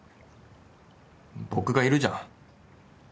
僕がいるじゃん。